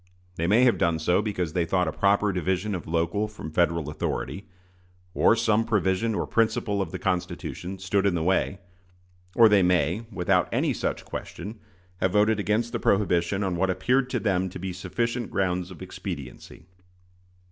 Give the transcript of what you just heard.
They may have done so because they thought a proper division of local from Federal authority, or some provision or principle of the Constitution, stood in the way; or they may, without any such question, have voted against the prohibition on what appeared to them to be sufficient grounds of expediency.